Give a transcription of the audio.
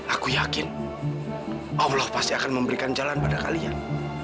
aku yakin allah pasti akan memberikan jalan pada kalian